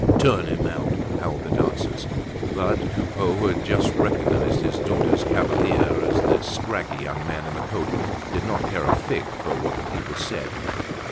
"Turn him out!" howled the dancers. But Coupeau, who had just recognized his daughter's cavalier as the scraggy young man in the coat, did not care a fig for what the people said.